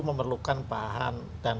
memerlukan bahan dan